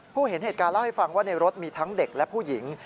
เห็นเหตุการณ์เล่าให้ฟังว่าในรถมีทั้งเด็กและผู้หญิง